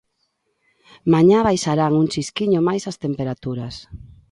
Mañá baixarán un chisquiño máis as temperaturas.